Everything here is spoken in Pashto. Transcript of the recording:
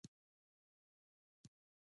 د اتشې سوداګریز رول څه دی؟